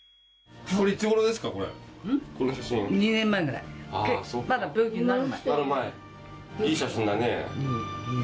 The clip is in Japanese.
いい写真だね。